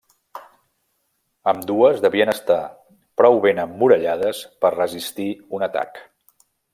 Ambdues devien estar prou ben emmurallades per resistir un atac.